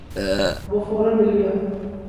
وہ فورا مل گیا۔